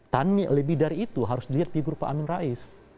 tanmi lebih dari itu harus dilihat figur pak amin rais